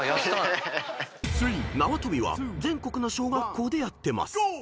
［縄跳びは全国の小学校でやってます］